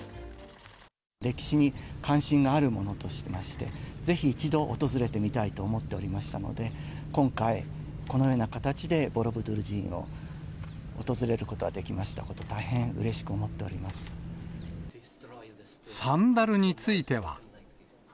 歴史に関心がある者としまして、ぜひ一度訪れてみたいと思っておりましたので、今回、このような形でボロブドゥール寺院を訪れることができましたこと、サンダルについては。